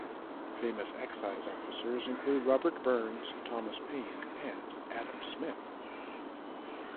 Famous Excise Officers include Robert Burns, Thomas Paine and Adam Smith.